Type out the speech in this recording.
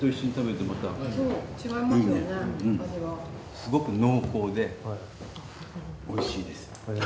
すごく濃厚で美味しいです。